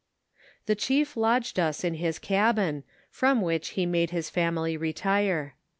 The chief lodged us in his cabin, fiom which he made his family retire.